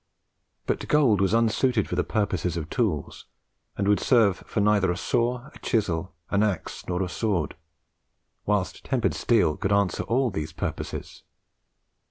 But gold was unsuited for the purposes of tools, and would serve for neither a saw, a chisel, an axe, nor a sword; whilst tempered steel could answer all these purposes.